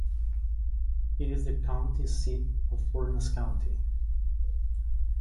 It is the county seat of Furnas County.